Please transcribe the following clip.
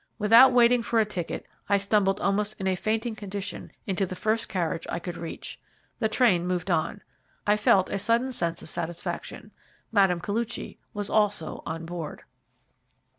Without waiting for a ticket I stumbled almost in a fainting condition into the first carriage I could reach. The train moved on. I felt a sudden sense of satisfaction. Mme. Koluchy was also on board.